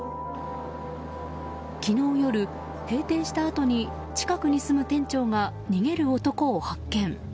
昨日夜、閉店したあとに近くに住む店長が逃げる男を発見。